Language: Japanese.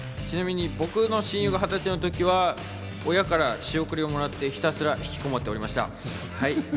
ちなみに僕の親友が２０歳の時は親から仕送りをもらってひたすら引きこもっておりました。